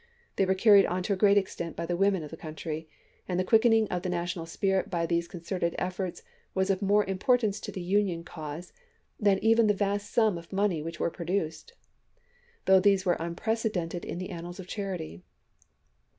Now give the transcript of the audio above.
They were carried on to a great extent by the women of the country, and the quickening of the national spmt by these concerted efforts was of more importance to the Union cause than even the vast sums of money which were produced; though these were 330 ABRAHAM LINCOLN Chap. XV. Unprecedented in the annals of charity.